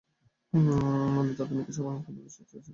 ললিতার তুমি কী সর্বনাশ করতে বসেছ সে কথা একবার ভেবে দেখলে না!